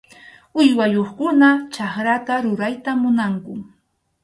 Uywayuqkuna chakrata rurayta munanku.